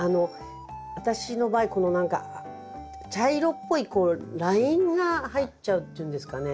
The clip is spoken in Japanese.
私の場合この何か茶色っぽいこうラインが入っちゃうっていうんですかね。